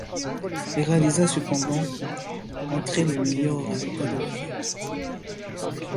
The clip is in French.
Il réalisa cependant entrées, le meilleur résultat de l'année.